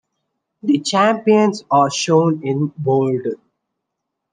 The champions are shown in Bold.